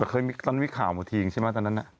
แต่เคยตอนมีข่าวมาทีงใช่ไหมตอนนั้น